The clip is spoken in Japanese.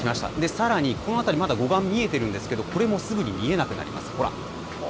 さらにこの辺りまだ護岸、見えているんですがこれもすぐに見えなくなります。